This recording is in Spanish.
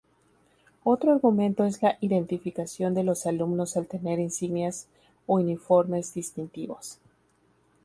Otro argumento es la identificación de los alumnos al tener insignias o uniformes distintivos.